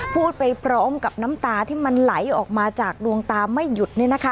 พูดไปพร้อมกับน้ำตาที่มันไหลออกมาจากดวงตาไม่หยุด